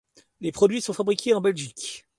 Les produits sont fabriqués en Belgique.